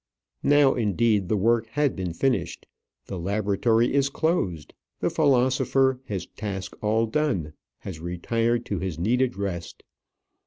Now, indeed, the work has been finished. The laboratory is closed. The philosopher, his task all done, has retired to his needed rest.